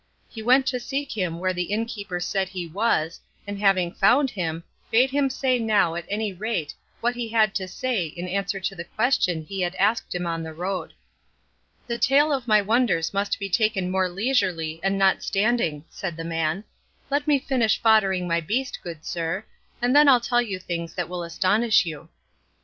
He went to seek him where the innkeeper said he was and having found him, bade him say now at any rate what he had to say in answer to the question he had asked him on the road. "The tale of my wonders must be taken more leisurely and not standing," said the man; "let me finish foddering my beast, good sir; and then I'll tell you things that will astonish you."